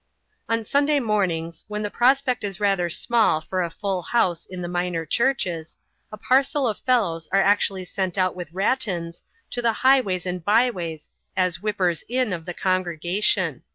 On Sunday mornings, when the prospect is rather smadl £<» a full house in the minor churches, a parcel of fellows are actnallj sent out with ratans into the highways and byways as whippers in of the congregation.